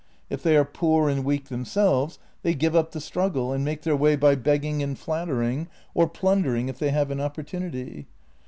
If they are poor and weak themselves, they give up the struggle, and make their way by begging and flattering — or plundering if they have an oppor tunity.